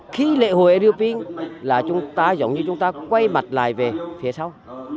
khi lễ hội eropink là chúng ta giống như chúng ta quay mặt lại về phía sau